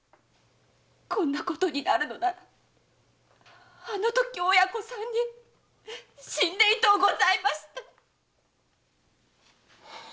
こんなことになるのならあのとき親子三人死んでいとうございました！